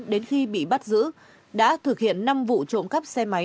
đến khi bị bắt giữ đã thực hiện năm vụ trộm cắp xe máy